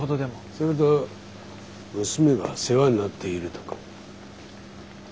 それと娘が世話になっているとか。